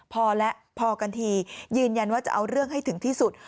พอแล้วพอกันทียืนยันว่าจะเอาเรื่องให้ถึงที่สุด